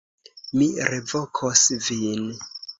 Mi revokos vin.